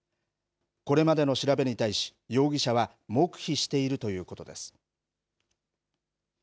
これまでの調べに対し、容疑者は黙秘しているということです。